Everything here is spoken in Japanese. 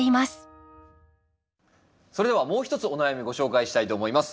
それではもう一つお悩みご紹介したいと思います。